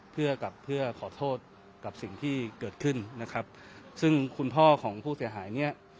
เพื่อกับเพื่อขอโทษกับสิ่งที่เกิดขึ้นนะครับซึ่งคุณพ่อของผู้เสียหายเนี่ย